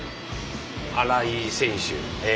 荒井選手。